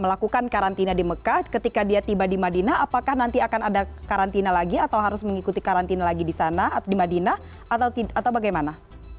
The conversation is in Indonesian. melakukan karantina di mekah ketika dia tiba di madinah apakah nanti akan ada karantina lagi atau harus mengikuti karantina lagi di sana di madinah atau bagaimana